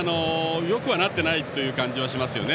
よくはなっていない感じはしますよね。